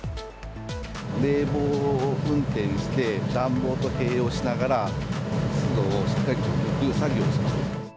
冷房運転して、暖房と併用しながら、湿度をしっかりと抜く作業をしています。